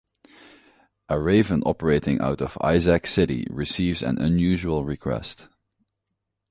A Raven operating out of Isaac City receives an unusual request.